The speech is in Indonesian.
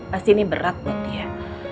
pasti ini berat buat dia